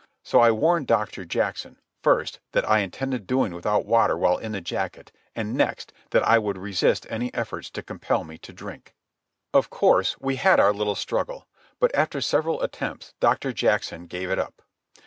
So I warned Doctor Jackson, first, that I intended doing without water while in the jacket; and next, that I would resist any efforts to compel me to drink. Of course we had our little struggle; but after several attempts Doctor Jackson gave it up.